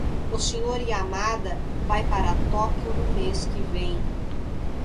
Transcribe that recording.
O Sr. Yamada vai para Tóquio no mês que vem.